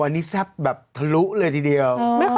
อันนี้แซ่บแบบทะลุเลยทีเดียว